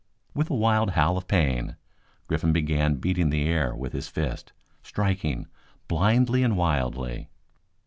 With a wild howl of pain, Griffin began beating the air with his fists, striking; blindly and wildly.